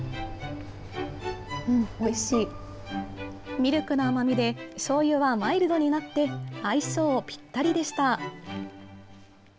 ミルクの甘みで、しょうゆはマイルドになって、相性ぴったりでした。